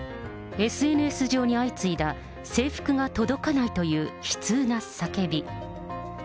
ＳＮＳ上に相次いだ、制服が届かないという悲痛な叫び。